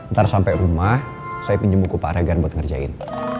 ntar sampai rumah saya pinjam buku pak ragar buat ngerjain